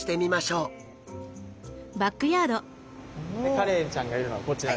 カレイちゃんがいるのはこちらです。